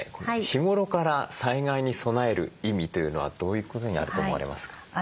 日頃から災害に備える意味というのはどういうことにあると思われますか？